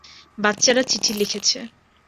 বাচ্চারা চিঠি লিখেছে।